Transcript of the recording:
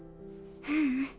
ううん。